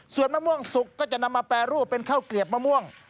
ส่วนมะม่วงสุกก็จะนำมาแปรรูปเป็นข้าวเกลียบมะม่วง